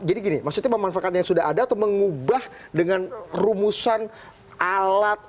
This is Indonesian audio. jadi gini maksudnya memanfaatkan yang sudah ada atau mengubah dengan rumusan alat